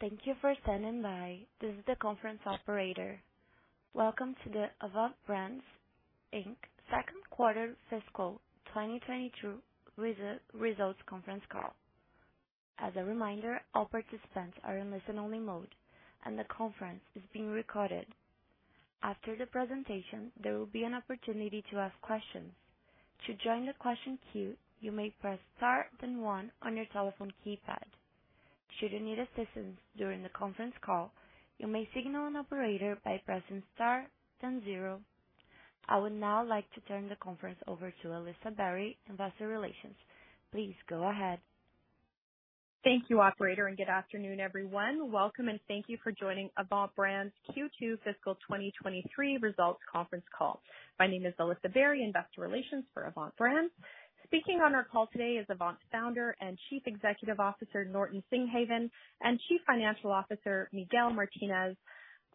Thank you for standing by. This is the conference operator. Welcome to the Avant Brands Inc. Q2 fiscal 2022 results conference call. As a reminder, all participants are in listen-only mode, and the conference is being recorded. After the presentation, there will be an opportunity to ask questions. To join the question queue, you may press star, then one on your telephone keypad. Should you need assistance during the conference call, you may signal an operator by pressing star, then zero. I would now like to turn the conference over to Alyssa Barry, Investor Relations. Please go ahead. Thank you, operator, and good afternoon, everyone. Welcome, and thank you for joining Avant Brands Q2 fiscal 2023 results conference call. My name is Alyssa Barry, Investor Relations for Avant Brands. Speaking on our call today is Avant founder and Chief Executive Officer, Norton Singhavon, and Chief Financial Officer, Miguel Martinez.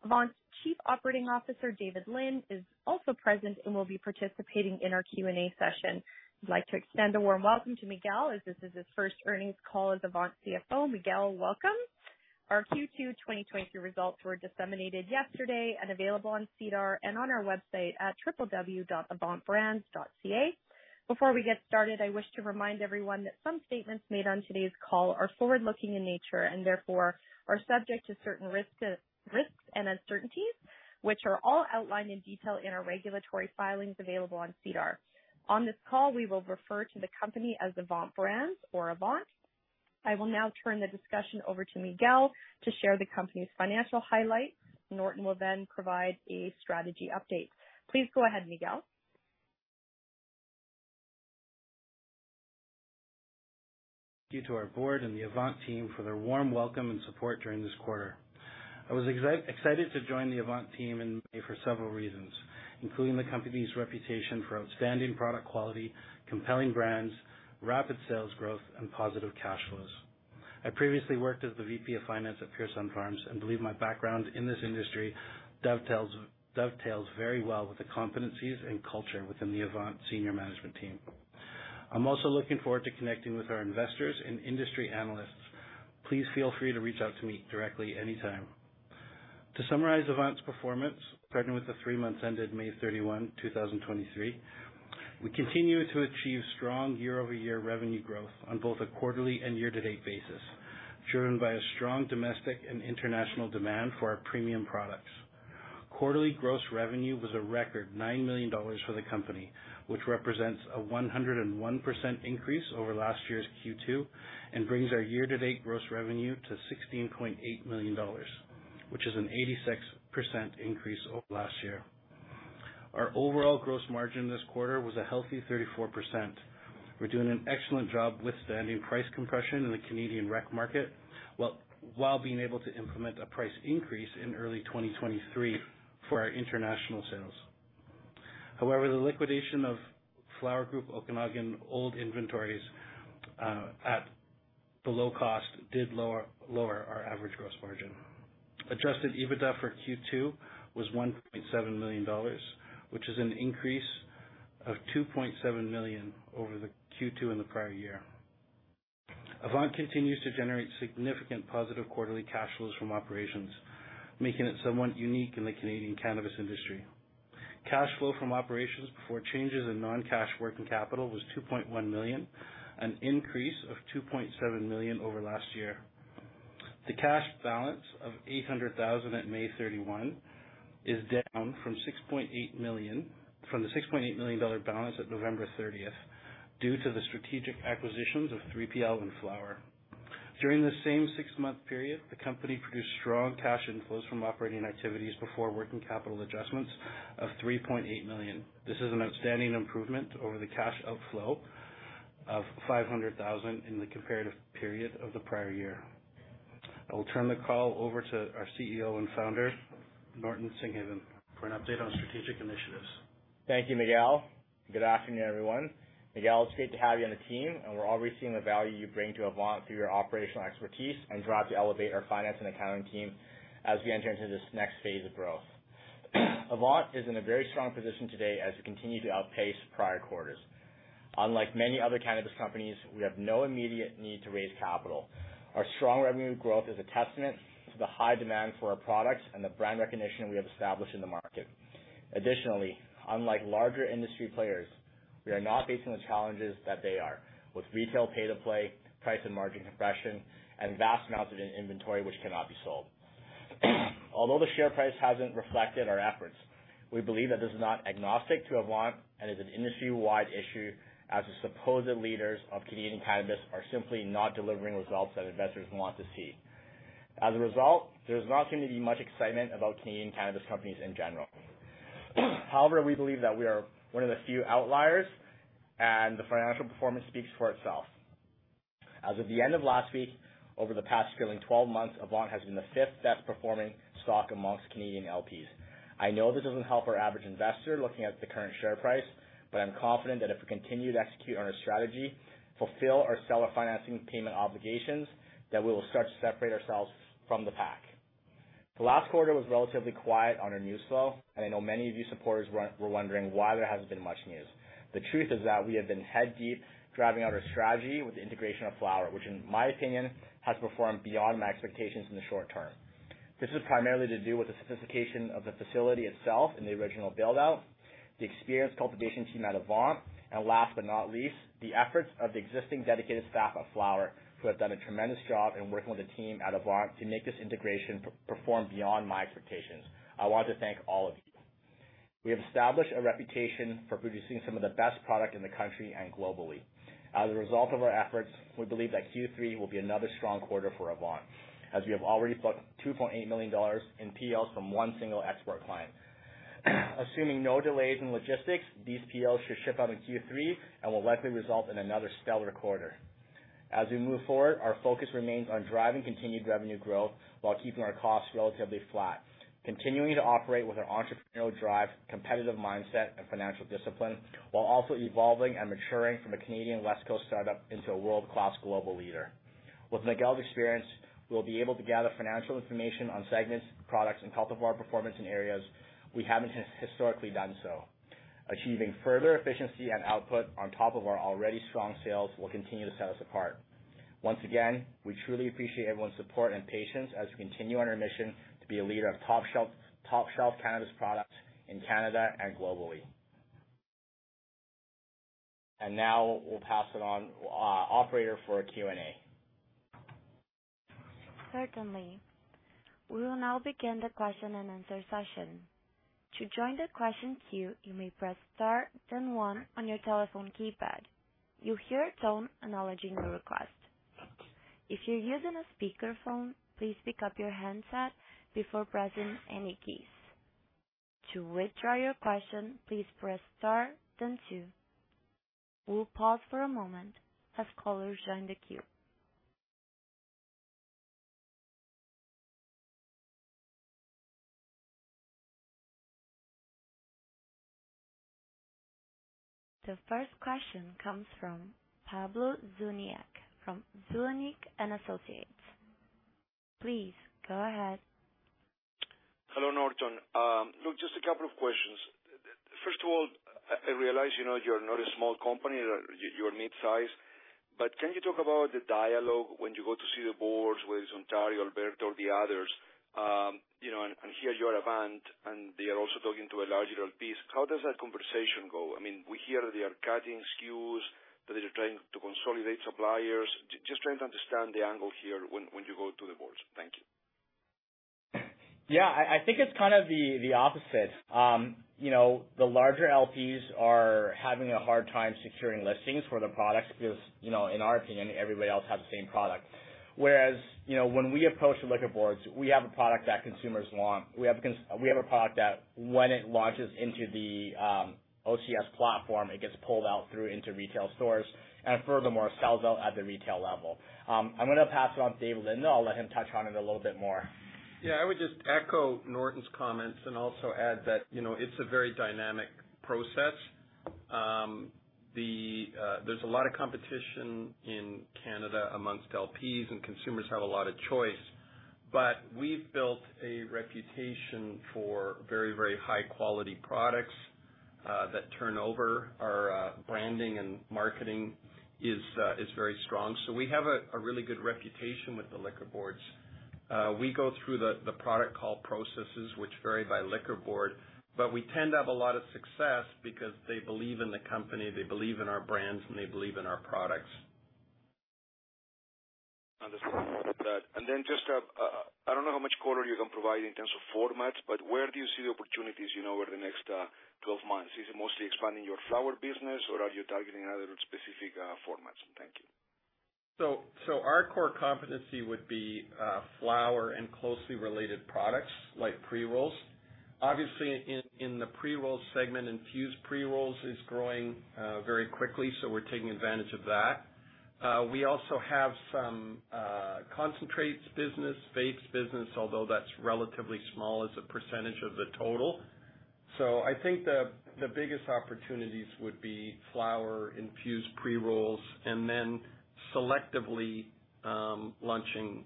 Avant's Chief Operating Officer, David Lynn, is also present and will be participating in our Q&A session. I'd like to extend a warm welcome to Miguel, as this is his first earnings call as Avant CFO. Miguel, welcome. Our Q2 2023 results were disseminated yesterday and available on SEDAR and on our website at www.avantbrands.ca. Before we get started, I wish to remind everyone that some statements made on today's call are forward-looking in nature and therefore are subject to certain risks and uncertainties, which are all outlined in detail in our regulatory filings available on SEDAR. On this call, we will refer to the company as Avant Brands or Avant. I will now turn the discussion over to Miguel to share the company's financial highlights. Norton will provide a strategy update. Please go ahead, Miguel. Due to our board and the Avant team for their warm welcome and support during this quarter. I was excited to join the Avant team in May for several reasons, including the company's reputation for outstanding product quality, compelling brands, rapid sales growth, and positive cash flows. I previously worked as the VP of Finance at Pure Sunfarms and believe my background in this industry dovetails very well with the competencies and culture within the Avant's senior management team. I'm also looking forward to connecting with our investors and industry analysts. Please feel free to reach out to me directly anytime. To summarize Avant's performance, starting with the three months ended May 31, 2023, we continue to achieve strong year-over-year revenue growth on both a quarterly and year-to-date basis, driven by a strong domestic and international demand for our premium products. Quarterly gross revenue was a record 9 million dollars for the company, which represents a 101% increase over last year's Q2, and brings our year-to-date gross revenue to 16.8 million dollars, which is an 86% increase over last year. Our overall gross margin this quarter was a healthy 34%. We're doing an excellent job withstanding price compression in the Canadian rec market, while being able to implement a price increase in early 2023 for our international sales. However, the liquidation of Flowr Group Okanagan's old inventories at the low cost did lower our average gross margin. Adjusted EBITDA for Q2 was 1.7 million dollars, which is an increase of 2.7 million over the Q2 in the prior year. Avant continues to generate significant positive quarterly cash flows from operations, making it somewhat unique in the Canadian cannabis industry. Cash flow from operations before changes in non-cash working capital was $2.1 million, an increase of $2.7 million over last year. The cash balance of $800,000 as of May 31 is down from the $6.8 million balance at November 30, due to the strategic acquisitions of 3PL and Flowr. During the same six-month period, the company produced strong cash inflows from operating activities before working capital adjustments of $3.8 million. This is an outstanding improvement over the cash outflow of $500,000 in the comparative period of the prior year. I will turn the call over to our CEO and Founder, Norton Singhavon, for an update on strategic initiatives. Thank you, Miguel. Good afternoon, everyone. Miguel, it's great to have you on the team, and we're already seeing the value you bring to Avant through your operational expertise and drive to elevate our finance and accounting team as we enter into this next phase of growth. Avant is in a very strong position today as we continue to outpace prior quarters. Unlike many other cannabis companies, we have no immediate need to raise capital. Our strong revenue growth is a testament to the high demand for our products and the brand recognition we have established in the market. Additionally, unlike larger industry players, we are not facing the challenges that they are, with retail pay to play, price and margin compression, and vast amounts of inventory which cannot be sold. Although the share price hasn't reflected our efforts, we believe that this is not agnostic to Avant and is an industry-wide issue, as the supposed leaders of Canadian cannabis are simply not delivering results that investors want to see. As a result, there's not going to be much excitement about Canadian cannabis companies in general. However, we believe that we are one of the few outliers, and the financial performance speaks for itself. As of the end of last week, over the past 12 months, Avant has been the fifth best performing stock amongst Canadian LPs. I know this doesn't help our average investor looking at the current share price, but I'm confident that if we continue to execute on our strategy, fulfill our seller financing payment obligations, that we will start to separate ourselves from the pack. The last quarter was relatively quiet on our news flow, and I know many of you supporters were wondering why there hasn't been much news. The truth is that we have been head-deep, driving out our strategy with the integration of Flowr, which in my opinion, has performed beyond my expectations in the short term. This is primarily to do with the sophistication of the facility itself in the original build-out, the experienced cultivation team at Avant, and last but not least, the efforts of the existing dedicated staff at Flowr, who have done a tremendous job in working with the team at Avant to make this integration perform beyond my expectations. I want to thank all of you. We have established a reputation for producing some of the best product in the country and globally. As a result of our efforts, we believe that Q3 will be another strong quarter for Avant, as we have already booked 2.8 million dollars in POs from one single export client. Assuming no delays in logistics, these POs should ship out in Q3 and will likely result in another stellar quarter. As we move forward, our focus remains on driving continued revenue growth while keeping our costs relatively flat, continuing to operate with our entrepreneurial drive, competitive mindset, and financial discipline, while also evolving and maturing from a Canadian West Coast startup into a world-class global leader. With Miguel's experience, we'll be able to gather financial information on segments, products, and top of our performance in areas where we haven't historically done so. Achieving further efficiency and output on top of our already strong sales will continue to set us apart. Once again, we truly appreciate everyone's support and patience as we continue on our mission to be a leader of top shelf cannabis products in Canada and globally. Now we'll pass it on, operator, for our Q&A. Certainly. We will now begin the question and answer session. To join the question queue, you may press star then one on your telephone keypad. You'll hear a tone acknowledging your request. If you're using a speakerphone, please pick up your handset before pressing any keys. To withdraw your question, please press star then two. We'll pause for a moment as callers join the queue. The first question comes from Pablo Zuanic, from Zuanic & Associates. Please go ahead. Hello, Norton. Look, just a couple of questions. First of all, I realize, you know, you're not a small company. You're mid-size, but can you talk about the dialogue when you go to see the boards, whether it's Ontario, Alberta, or the others, you know, and here you are Avant, and they are also talking to a larger LPs. How does that conversation go? I mean, we hear they are cutting SKUs, that they are trying to consolidate suppliers. Just trying to understand the angle here when you go to the boards. Thank you. Yeah, I think it's kind of the opposite. You know, the larger LPs are having a hard time securing listings for their products because, you know, in our opinion, everybody else has the same product. Whereas, you know, when we approach the liquor boards, we have a product that consumers want. We have a product that when it launches into the OCS platform, it gets pulled out through into retail stores and furthermore, sells out at the retail level. I'm going pass it on to David Lynn. I'll let him touch on it a little bit more. Yeah, I would just echo Norton's comments and also add that, you know, it's a very dynamic process. There's a lot of competition in Canada amongst LPs, and consumers have a lot of choice. We've built a reputation for very, very high-quality products that turn over. Our branding and marketing is very strong. We have a really good reputation with the liquor boards. We go through the product call processes, which vary by liquor board, but we tend to have a lot of success because they believe in the company, they believe in our brands, and they believe in our products. Understand that. Just, I don't know how much color you can provide in terms of formats, but where do you see the opportunities, you know, over the next 12 months? Is it mostly expanding your flower business, or are you targeting other specific formats? Thank you. Our core competency would be flower and closely related products, like pre-rolls. Obviously, in the pre-roll segment, infused pre-rolls is growing very quickly, so we're taking advantage of that. We also have some concentrates business, vapes business, although that's relatively small as a percentage of the total. I think the biggest opportunities would be flower, infused pre-rolls, and then selectively launching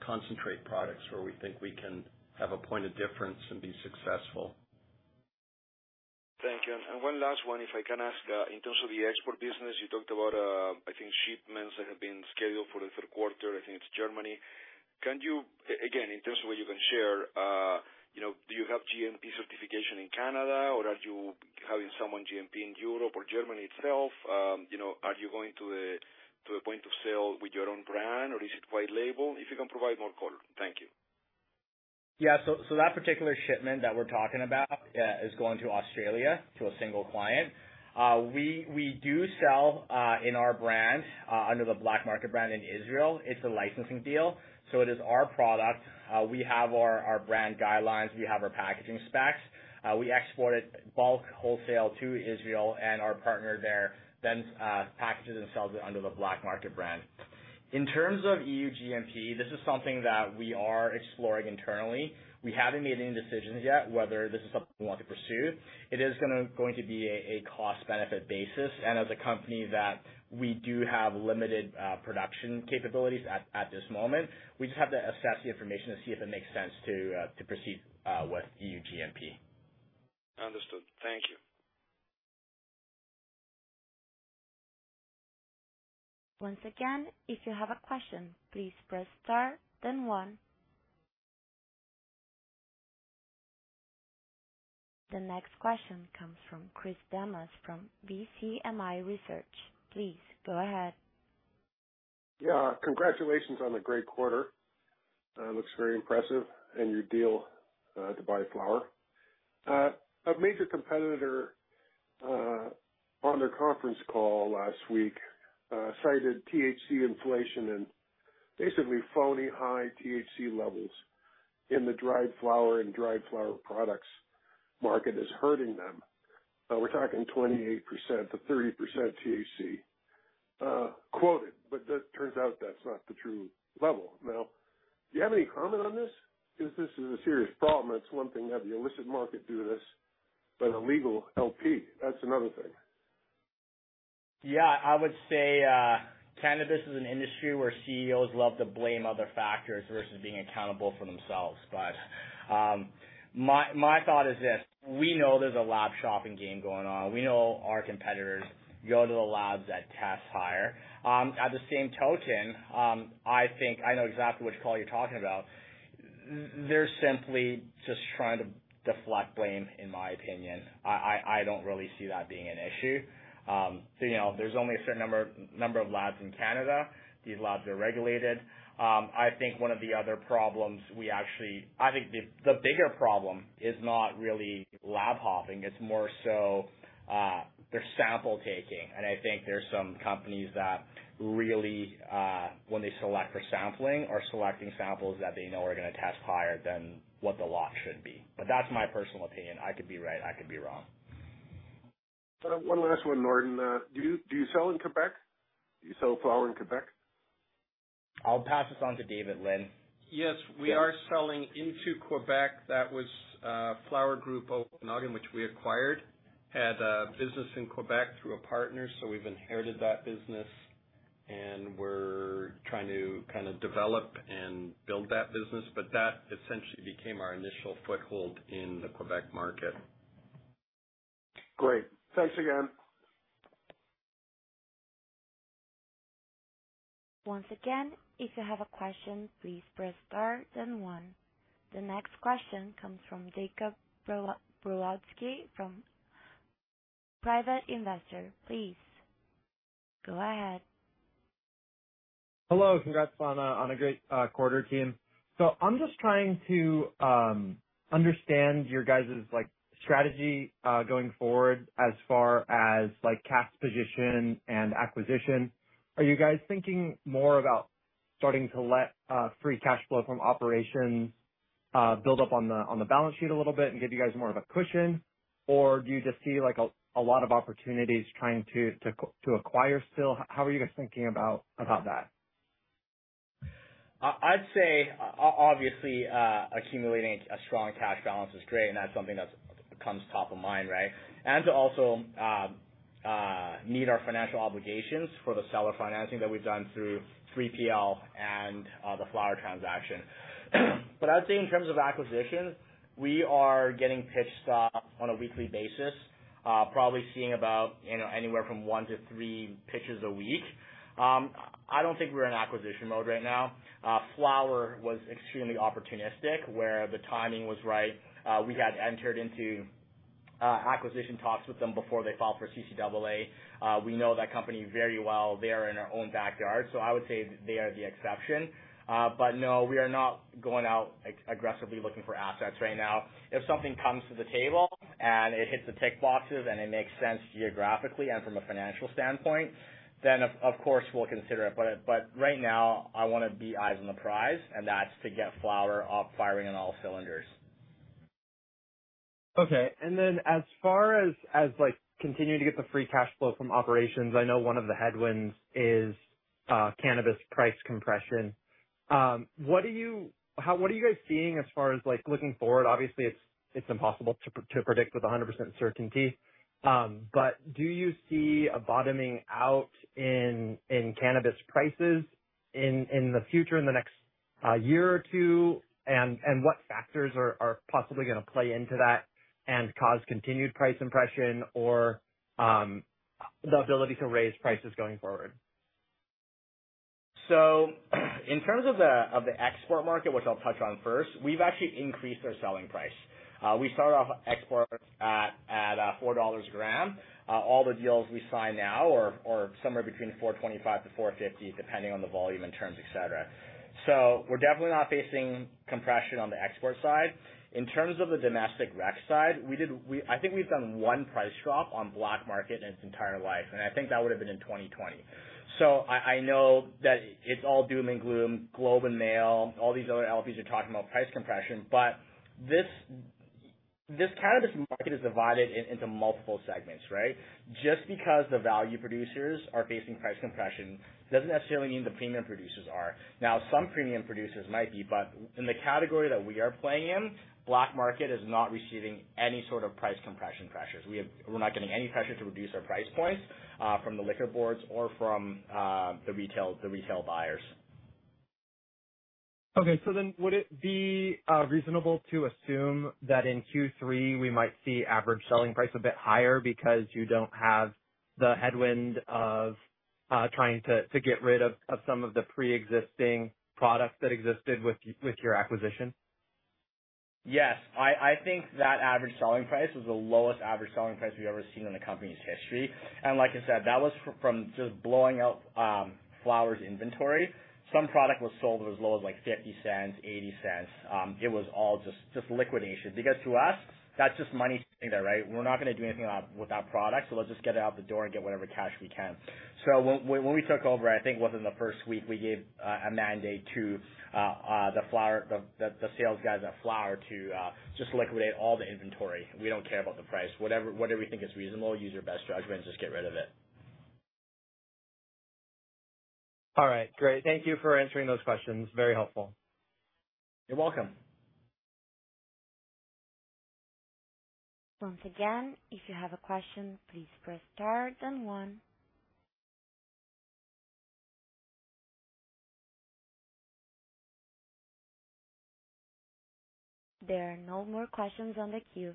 concentrate products where we think we can have a point of difference and be successful. Thank you. One last one, if I can ask. In terms of the export business, you talked about, I think shipments that have been scheduled for the Q3. I think it's Germany. Again, in terms of what you can share, you know, do you have GMP certification in Canada, or are you having some on GMP in Europe or Germany itself? You know, are you going to the point of sale with your own brand, or is it white label? If you can provide more color. Thank you. Yeah, so that particular shipment that we're talking about is going to Australia to a single client. We do sell in our brand under the BLK MKT brand in Israel. It's a licensing deal, so it is our product. We have our brand guidelines, we have our packaging specs. We export it bulk wholesale to Israel, and our partner there then packages and sells it under the BLK MKT brand. In terms of EU GMP, this is something that we are exploring internally. We haven't made any decisions yet whether this is something we want to pursue. It is going to be a cost-benefit basis, and as a company that we do have limited production capabilities at this moment, we just have to assess the information to see if it makes sense to proceed with EU GMP. Understood. Thank you. Once again, if you have a question, please press star, then one. The next question comes from Chris Damas from BCMI Research. Please go ahead. Yeah, congratulations on the great quarter. It looks very impressive, and your deal to buy Flowr. A major competitor on their conference call last week cited THC inflation and basically phony high THC levels in the dried flower and dried flower products market is hurting them. We're talking 28% to 30% THC quoted, but that turns out that's not the true level. Do you have any comment on this? This is a serious problem. It's one thing to have the illicit market do this, but a legal LP, that's another thing. Yeah, I would say, cannabis is an industry where CEOs love to blame other factors versus being accountable for themselves. My thought is this: we know there's a lab shopping game going on. We know our competitors go to the labs that test higher. At the same token, I think I know exactly which call you're talking about. They're simply just trying to deflect blame, in my opinion. I don't really see that being an issue. You know, there's only a certain number of labs in Canada. These labs are regulated. I think one of the other problems. I think the bigger problem is not really lab hopping. It's more so their sample taking. I think there's some companies that really, when they select for sampling, are selecting samples that they know are gonna test higher than what the lot should be. That's my personal opinion. I could be right. I could be wrong. One last one, Norton. Do you sell in Quebec? Do you sell flower in Quebec? I'll pass this on to David Lynn. Yes, we are selling into Quebec. That was Flowr Group, Okanagan, which we acquired, had a business in Quebec through a partner. We've inherited that business. We're trying to kind of develop and build that business. That essentially became our initial foothold in the Quebec market. Great. Thanks again. Once again, if you have a question, please press star then one. The next question comes from Jacob Brodsky from Private Investor. Please go ahead. Hello. Congrats on a, on a great quarter team. I'm just trying to understand your guys' like, strategy going forward as far as, like, cash position and acquisition. Are you guys thinking more about starting to let free cash flow from operations build up on the balance sheet a little bit and give you guys more of a cushion? Or do you just see, like, a lot of opportunities trying to acquire still? How are you thinking about that? I'd say obviously, accumulating a strong cash balance is great, and that's something that comes top of mind, right? To also meet our financial obligations for the seller financing that we've done through 3PL and the Flowr transaction. I would say in terms of acquisitions, we are getting pitched stock on a weekly basis, probably seeing about, you know, anywhere from one to three pitches a week. I don't think we're in acquisition mode right now. Flowr was extremely opportunistic, where the timing was right. We had entered into acquisition talks with them before they filed for CCAA. We know that company very well. They are in our own backyard, so I would say they are the exception. No, we are not going out aggressively looking for assets right now. If something comes to the table, and it hits the tick boxes, and it makes sense geographically and from a financial standpoint, then of course, we'll consider it. Right now, I want to be eyes on the prize, and that's to get Flowr up, firing on all cylinders. Okay. As far as, like, continuing to get the free cash flow from operations, I know one of the headwinds is cannabis price compression. What are you guys seeing as far as, like, looking forward? Obviously, it's impossible to predict with 100% certainty, but do you see a bottoming out in cannabis prices in the future, in the next year or two? What factors are possibly gonna play into that and cause continued price compression or the ability to raise prices going forward? In terms of the export market, which I'll touch on first, we've actually increased our selling price. We started off export at 4 dollars a gram. All the deals we sign now are somewhere between 4.25-4.50, depending on the volume and terms, et cetera. We're definitely not facing compression on the export side. In terms of the domestic rec side, we I think we've done one price drop on BLK MKT in its entire life, and I think that would have been in 2020. I know that it's all doom and gloom, The Globe and Mail, all these other LPs are talking about price compression, but this cannabis market is divided into multiple segments, right? Just because the value producers are facing price compression, doesn't necessarily mean the premium producers are. Some premium producers might be, but in the category that we are playing in, BLK MKT is not receiving any sort of price compression pressures. We're not getting any pressure to reduce our price points, from the liquor boards or from the retail buyers. Would it be reasonable to assume that in Q3, we might see average selling price a bit higher because you don't have the headwind of trying to get rid of some of the pre-existing products that existed with your acquisition? Yes. I think that average selling price was the lowest average selling price we've ever seen in the company's history. Like I said, that was from just blowing out Flowr's inventory. Some product was sold as low as, like, 0.50, 0.80. It was all just liquidation, because to us, that's just money sitting there, right? We're not gonna do anything with that product, so let's just get it out the door and get whatever cash we can. When we took over, I think within the first week, we gave a mandate to the Flowr sales guys at Flowr to just liquidate all the inventory. We don't care about the price. Whatever you think is reasonable, use your best judgment, just get rid of it. All right, great. Thank you for answering those questions. Very helpful. You're welcome. Once again, if you have a question, please press star then one. There are no more questions on the queue.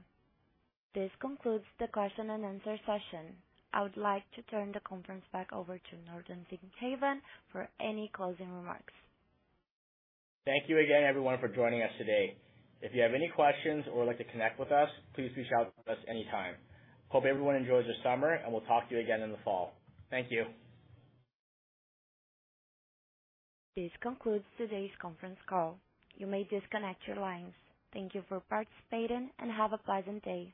This concludes the question and answer session. I would like to turn the conference back over to Norton Singhavon for any closing remarks. Thank you again, everyone, for joining us today. If you have any questions or would like to connect with us, please reach out to us anytime. Hope everyone enjoys their summer, and we'll talk to you again in the fall. Thank you. This concludes today's conference call. You may disconnect your lines. Thank you for participating, and have a pleasant day.